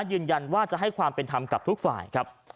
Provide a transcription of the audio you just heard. ยืนยันว่าจะให้ความเป็นธรรมกับทุกฝ่ายครับ